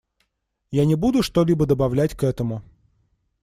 Я не буду что-либо добавлять к этому.